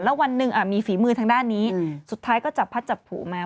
แล้ววันหนึ่งมีฝีมือทางด้านนี้สุดท้ายก็จับพัดจับผูมา